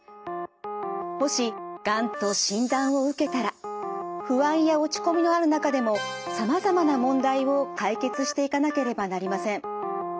もしがんと診断を受けたら不安や落ち込みのある中でもさまざまな問題を解決していかなければなりません。